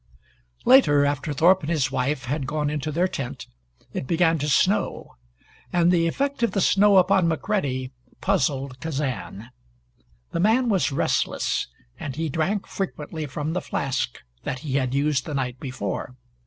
Later, after Thorpe and his wife had gone into their tent, it began to snow, and the effect of the snow upon McCready puzzled Kazan. The man was restless, and he drank frequently from the flask that he had used the night before.